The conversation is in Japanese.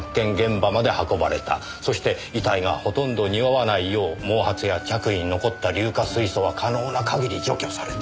そして遺体がほとんど臭わないよう毛髪や着衣に残った硫化水素は可能な限り除去されて。